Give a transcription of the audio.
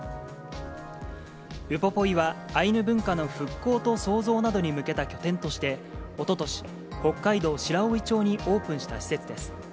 ウポポイは、アイヌ文化の復興と創造などに向けた拠点として、おととし、北海道白老町にオープンした施設です。